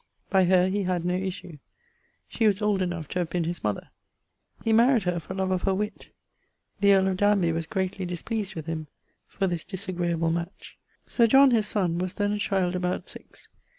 By her he had no issue; she was old enough to have been his mother. He maried her for love of her witt. The earl of Danby was greatly displeased with him for this dis agreable match. Sir John, his sonne, was then a child about six.